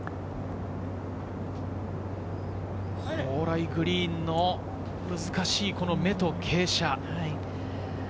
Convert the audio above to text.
高麗グリーンの難しい目と傾斜。